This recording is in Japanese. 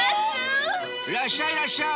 らっしゃいらっしゃい！